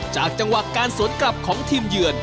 จังหวะการสวนกลับของทีมเยือน